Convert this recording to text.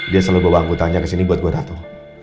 dia selalu bawa anggotaannya kesini buat gue ratuh